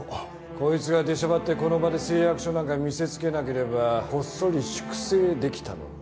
こいつが出しゃばってこの場で誓約書なんか見せつけなければこっそり粛清できたのに。